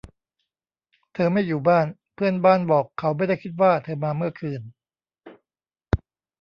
เธอไม่อยู่บ้าน เพื่อนบ้านบอกเขาไม่ได้คิดว่าเธอมาเมื่อคืน